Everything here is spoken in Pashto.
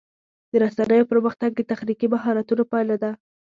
د رسنیو پرمختګ د تخنیکي مهارتونو پایله ده.